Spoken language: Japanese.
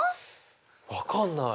分かんない。